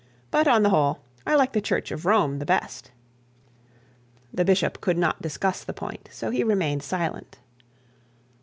But, on the whole, I like the Church of Rome the best.' The bishop could not discuss the point, so he remained silent.